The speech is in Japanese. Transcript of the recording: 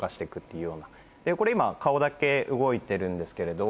これ今顔だけ動いてるんですけれど。